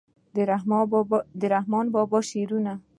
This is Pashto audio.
د رحمان بابا شعرونه